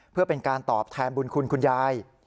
เพื่อเป็นการตอบแทนบุญคุณคุณยาย